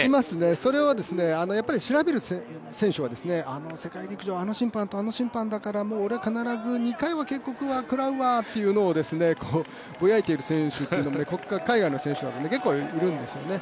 いますね、それはやっぱり調べる選手は世界陸上はあの審判とあの審判だからもう俺は必ず２回は警告食らうわみたいにぼやいている選手、海外の選手、結構いるんですよね。